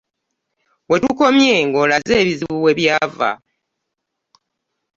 We tukomye ng'olaze ebizibu we byava.